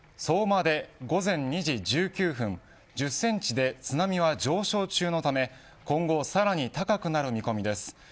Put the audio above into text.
相馬で午前２時１９分１０センチで津波は上昇中のため今後さらに高くなる見込みです。